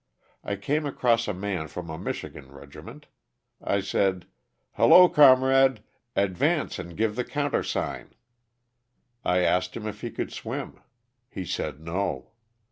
I came across a man from a Michigan regiment, I said, "hullo, comrade, advance and give the countersign." I asked him if he could swim. He said no.